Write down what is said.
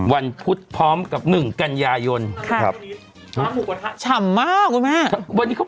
วันพุธพร้อมกับหนึ่งกันยายนครับช่ำมากนะแม่วันนี้เขา